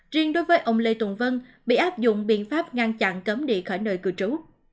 riêng đối với ông lê tùng vân bị áp dụng biện pháp ngăn chặn cấm đi khỏi nơi cư trú